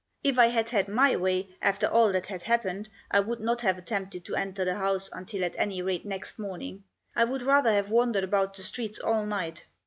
If I had had my way, after all that had happened, I would not have attempted to enter the house until at any rate next morning ; I would rather have wandered about the streets all night.